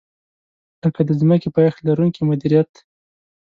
لکه د ځمکې پایښت لرونکې مدیریت.